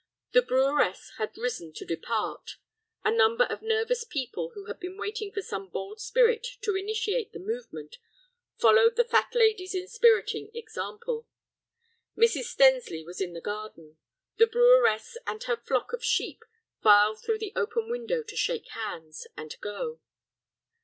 The breweress had risen to depart. A number of nervous people who had been waiting for some bold spirit to initiate the movement, followed the fat lady's inspiriting example. Mrs. Stensly was in the garden. The breweress and her flock of sheep filed through the open window to shake hands—and go.